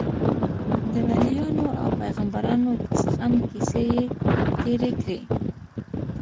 د وليانو او پيغمبرانو د زغم کيسې يې تېرې کړې.